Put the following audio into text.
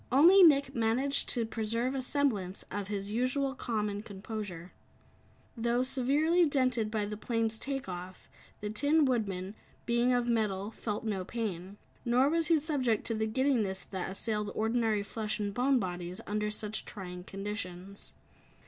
Only Nick managed to preserve a semblance of his usual calm and composure. Though severely dented by the plane's take off, the Tin Woodman, being of metal, felt no pain. Nor was he subject to the giddiness that assailed ordinary flesh and bone bodies under such trying conditions.